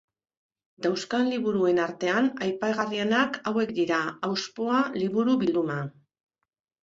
Dauzkan liburuen artean aipagarrienak hauek dira: Auspoa liburu-bilduma.